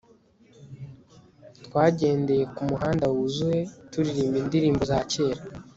twagendeye kumuhanda wuzuye, turirimba indirimbo za kera